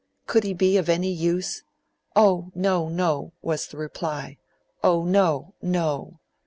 Could he be of any use? 'Oh no, no!' was the reply. 'Oh no, no!'